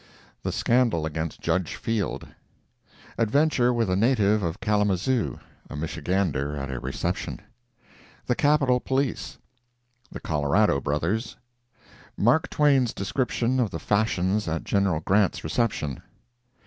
The Scandal Against Judge Field. Adventure with a Native of Kalamazoo—A Michigander at a Reception. The Capitol Police— The Colorado Brothers— Mark Twain's Description of the Fashions at Gen. Grant's Reception.